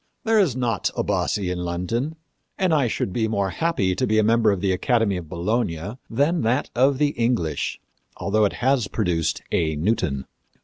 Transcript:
There is not a Bassi in London, and I should be more happy to be a member of the Academy of Bologna than of that of the English, although it has produced a Newton.